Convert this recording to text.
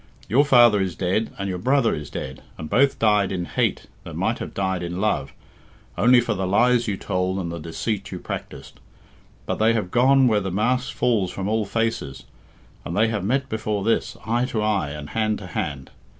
Your father is dead, and your brother is dead, and both died in hate that might have died in love, only for the lies you told and the deceit you practised. But they have gone where the mask falls from all faces, and they have met before this, eye to eye, and hand to hand.